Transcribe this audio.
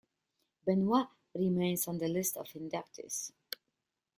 Benoit remains on the list of inductees.